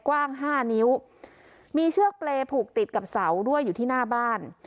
กว้างห้านิ้วมีเชือกเปรย์ผูกติดกับเสาด้วยอยู่ที่หน้าบ้าน